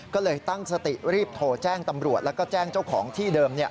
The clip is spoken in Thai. ก็เลยตั้งสติรีบโทรแจ้งตำรวจแล้วก็แจ้งเจ้าของที่เดิม